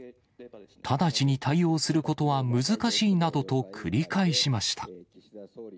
直ちに対応することは難しいなどと繰り返しました。